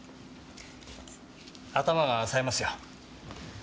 頭が冴えますよ。